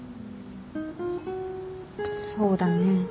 そうだね。